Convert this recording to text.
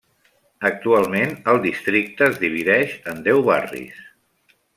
Actualment el districte es divideix en deu barris.